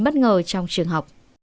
bất ngờ trong trường học